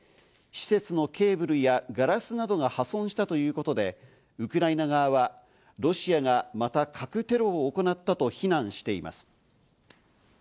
施設のケーブルやガラスなどが破損したということで、ウクライナ側はロシアがまた核テロを行ったと非難しています。